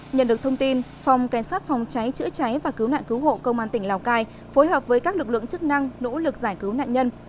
nhận được thông tin phòng cảnh sát phòng cháy chữa cháy và cứu nạn cứu hộ công an tỉnh lào cai phối hợp với các lực lượng chức năng nỗ lực giải cứu nạn nhân